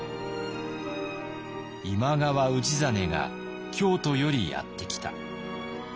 「今川氏真が京都よりやって来た」。